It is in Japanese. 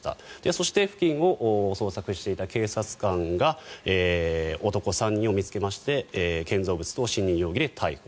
そして付近を捜索していた警察官が男３人を見つけまして建造物等侵入容疑で逮捕。